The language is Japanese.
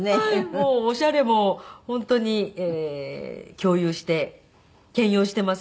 もうオシャレも本当に共有して兼用しています。